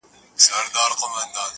او درد د تجربې برخه ده,